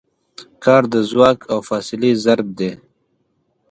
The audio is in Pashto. کار د ځواک او فاصلې ضرب دی.